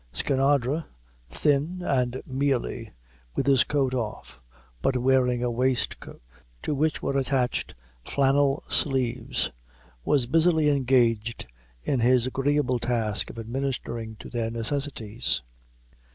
Skinadre, thin and mealy, with his coat off, but wearing a waistcoat to which were attached flannel sleeves, was busily engaged in his agreeable task of administering to their necessities.